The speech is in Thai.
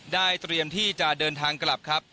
เตรียมที่จะเดินทางกลับครับ